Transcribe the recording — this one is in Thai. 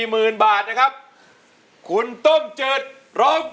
เป็นแบบมือแฟนเพลง